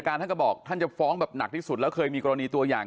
ท่านก็บอกท่านจะฟ้องแบบหนักที่สุดแล้วเคยมีกรณีตัวอย่าง